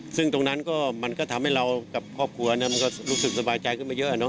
ซึ่งตรงนั้นก็มันก็ทำให้เรากับครอบครัวมันก็รู้สึกสบายใจขึ้นมาเยอะ